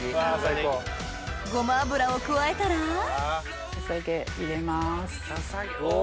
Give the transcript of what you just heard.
ゴマ油を加えたらささげ入れます。